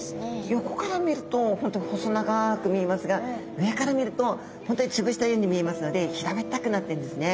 横から見ると本当に細長く見えますが上から見ると本当に潰したように見えますので平べったくなっているんですね。